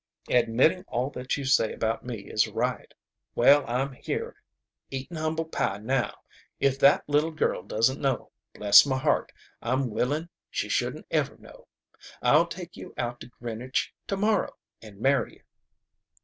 "Admitting all that you say about me is right. Well, I'm here eating humble pie now. If that little girl doesn't know, bless my heart, I'm willin' she shouldn't ever know. I'll take you out to Greenwich to morrow and marry you.